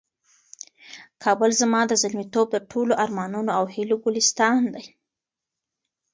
کابل زما د زلمیتوب د ټولو ارمانونو او هیلو ګلستان دی.